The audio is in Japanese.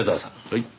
はい。